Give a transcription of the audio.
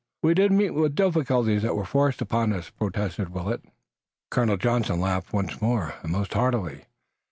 "We did but meet the difficulties that were forced upon us," protested Willet. Colonel Johnson laughed once more, and most heartily.